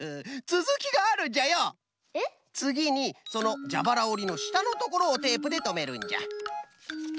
つぎにそのじゃばらおりのしたのところをテープでとめるんじゃ。